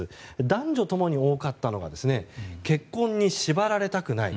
男女共に多かったのが結婚に縛られたくない。